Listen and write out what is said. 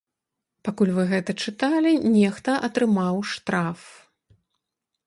Пакуль вы гэта чыталі, нехта атрымаў штраф!